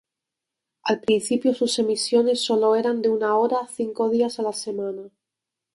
Al principio sus emisiones solo eran de una hora cinco días a la semana.